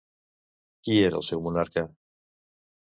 Qui era el seu monarca?